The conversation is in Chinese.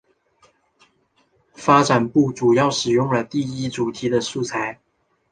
发展部主要使用了第一主题的素材。